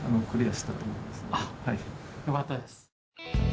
あっよかったです。